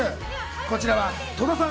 こちらは戸田さん